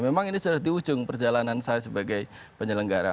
memang ini sudah di ujung perjalanan saya sebagai penyelenggara